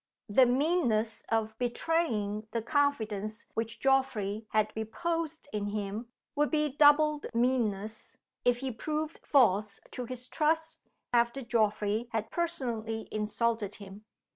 The meanness of betraying the confidence which Geoffrey had reposed in him would be doubled meanness if he proved false to his trust after Geoffrey had personally insulted him.